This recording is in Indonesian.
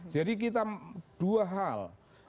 jadi dua hal